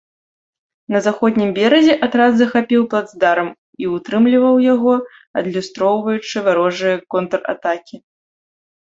На заходнім беразе атрад захапіў плацдарм і ўтрымліваў яго, адлюстроўваючы варожыя контратакі.